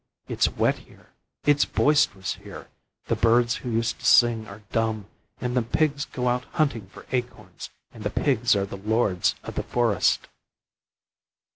It's wet here! it's boisterous here! The birds who used to sing are dumb, and the pigs go out hunting for acorns, and the pigs are the lords of the forest!"